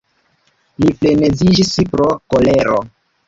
Li freneziĝis pro kolero.